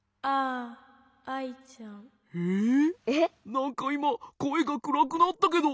なんかいまこえがくらくなったけど。